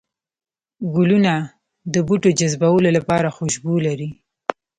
گلونه د بوټو جذبولو لپاره خوشبو لري